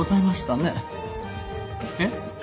えっ？